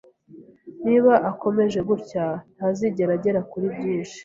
Niba akomeje gutya, ntazigera agera kuri byinshi.